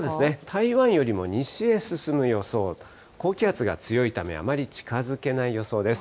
台湾よりも西へ進む予想、高気圧が強いため、あまり近づけない予想です。